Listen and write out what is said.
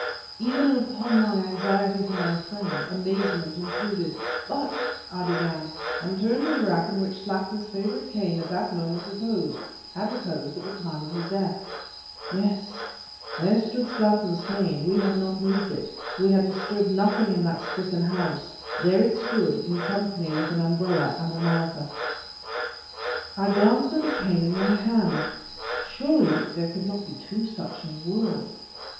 Even in upon my anxiety for my friend, amazement intruded. "But," I began and turned to the rack in which Slattin's favorite cane at that moment reposed had reposed at the time of his death. Yes! there stood Slattin's cane; we had not moved it; we had disturbed nothing in that stricken house; there it stood, in company with an umbrella and a malacca. I glanced at the cane in my hand. Surely there could not be two such in the world?